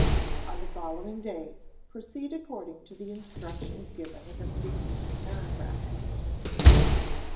On the following day, proceed according to the instructions given in the preceding paragraph.